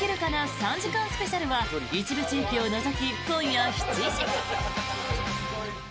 ３時間スペシャルは一部地域を除き、今夜７時。